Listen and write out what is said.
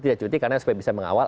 tidak cuti karena supaya bisa mengawal